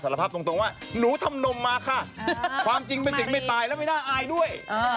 ภาพตรงว่าหนูทำนมมาค่ะความจริงเป็นสิ่งไม่ตายแล้วไม่น่าอายด้วย